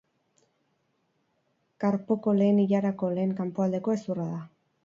Karpoko lehen ilarako lehen kanpoaldeko hezurra da.